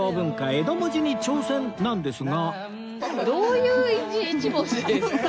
江戸文字に挑戦なんですが